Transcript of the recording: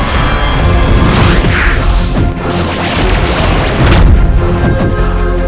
keluarkan babi ngepet itu